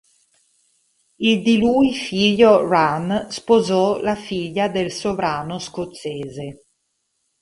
Il di lui figlio Run sposò la figlia del sovrano scozzese.